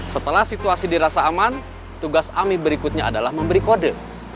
setelah situasi dirasa aman tugas ami berikutnya adalah memberi kode